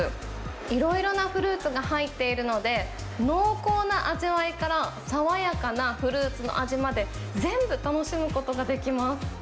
いろいろなフルーツが入っているので、濃厚な味わいから爽やかなフルーツの味まで、全部楽しむことができます。